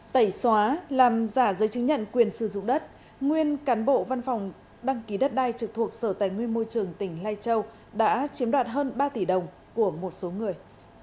tẩy xóa làm giả giấy chứng nhận quyền sử dụng đất nguyên cán bộ văn phòng đăng ký đất đai trực thuộc sở tài nguyên môi trường tỉnh lai châu đã chiếm đoạt hơn ba tỷ đồng của một số người